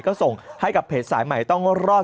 ก็ส่งให้กับเพจสายใหม่ต้องรอด